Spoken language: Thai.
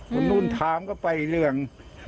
คนนู้นถามก็ไปเรื่อง